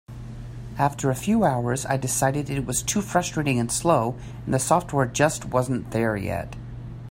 After a few hours I decided it was too frustrating and slow, and the software just wasn't there yet.